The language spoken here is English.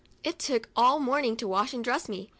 It took all morning to wash and dress me.